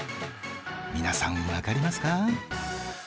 皆さんわかりますか？